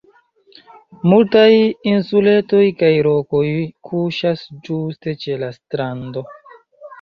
Multaj insuletoj kaj rokoj kuŝas ĝuste ĉe la strando.